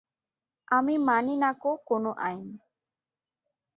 আমি মানি না কো কোন আইন।